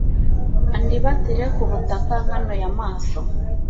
andibatire ku butaka nkanuye amaso